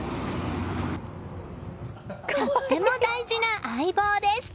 とても大事な相棒です。